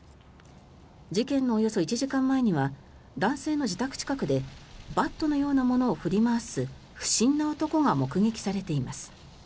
事件のおよそ１時間前には男性の自宅近くでバットのようなものを振り回す不審な男が目撃されています。